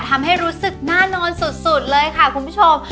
ทำให้รู้สึกน่านอนสุดเลยค่ะคุณผู้ชม